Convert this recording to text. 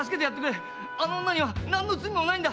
あの女には何の罪もないんだ！